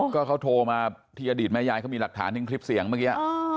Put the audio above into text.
ก็เขาโทรมาที่อดีตแม่ยายเขามีหลักฐานถึงคลิปเสียงเมื่อกี้